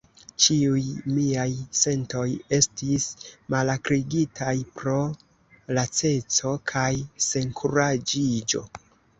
Ĉiuj miaj sentoj estis malakrigitaj pro laceco kaj senkuraĝiĝo.